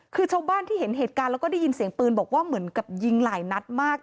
คือชาวบ้านที่เห็นเหตุการณ์แล้วก็ได้ยินเสียงปืนบอกว่าเหมือนกับยิงหลายนัดมาก